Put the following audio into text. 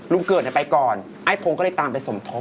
ลุงเกิดก็ไปก่อนไอ้โพงก็เลยตามไปสมทบ